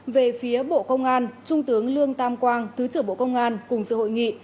về phía bộ công an trung tướng lương tam quang thứ trưởng bộ công an cùng sự hội nghị